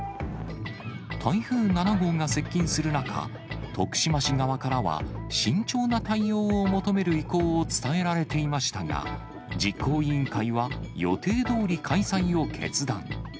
台風７号が接近する中、徳島市側からは、慎重な対応を求める意向を伝えられていましたが、実行委員会は予定どおり開催を決断。